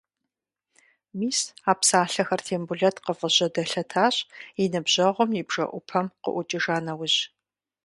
Мис а псалъэхэр Тембулэт къыфӏыжьэдэлъэтащ, и ныбжьэгъум и бжэӏупэм къыӏукӏыжа нэужь.